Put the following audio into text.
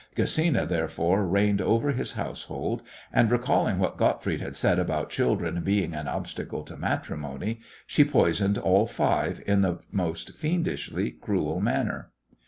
Gesina, therefore, reigned over his household; and, recalling what Gottfried had said about children being an obstacle to matrimony, she poisoned all five in the most fiendishly cruel manner.